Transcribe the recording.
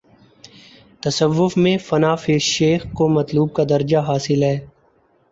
تصوف میں فنا فی الشیخ کو مطلوب کا درجہ حا صل ہے۔